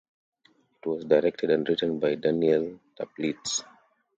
It was directed and written by Daniel Taplitz.